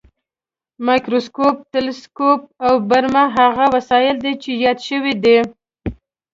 مایکروسکوپ، تلسکوپ او برمه هغه وسایل دي چې یاد شوي دي.